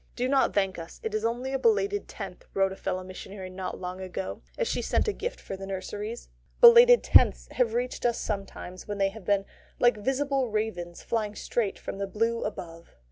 "Do not thank us. It is only a belated tenth," wrote a fellow missionary not long ago, as she sent a gift for the nurseries. Belated tenths have reached us sometimes when they have been like visible ravens flying straight from the blue above.